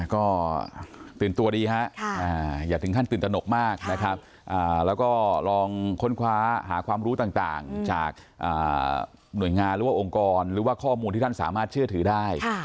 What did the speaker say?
ก็ตื่นตัวดีฮะอย่าถึงขั้นตื่นตนกมากนะครับแล้วก็ลองค้นคว้าหาความรู้ต่างจากหน่วยงานหรือว่าองค์กรหรือว่าข้อมูลที่ท่านสามารถเชื่อถือได้